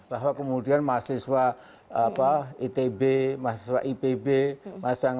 bahwa kemudian mahasiswa itb mahasiswa ipb mahasiswa yang lain menyuarabahansa jadi tokoh retorik